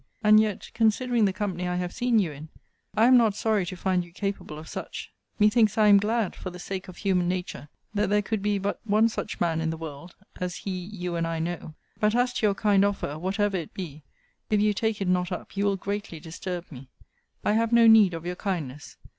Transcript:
And yet, considering the company I have seen you in, I am not sorry to find you capable of such. Methinks I am glad, for the sake of human nature, that there could be but one such man in the world, as he you and I know. But as to your kind offer, whatever it be, if you take it not up, you will greatly disturb me. I have no need of your kindness.